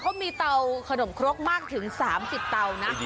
เขามีเตาขนมครกมากถึง๓๐เตานะ